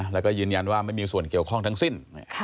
แล้วก็ยืนยันว่าไม่มีส่วนเกี่ยวข้องทั้งสิ้น